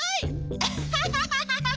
アッハハハハ！